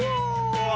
うわ！